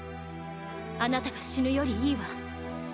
あなたが死ぬよりいいわ。